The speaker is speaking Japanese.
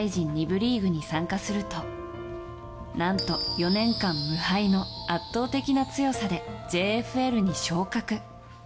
２部リーグに参加すると、何と４年間無敗の圧倒的な強さでＪＦＬに昇格。